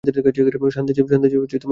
শান্তিজী আমাকে চেনে।